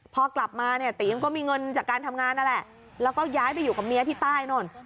พอกลับมาเนี่ยตียังก็มีเงินจากการทำงานนั่นแหละแล้วก็ย้ายไปอยู่กับเมียที่ใต้โน่น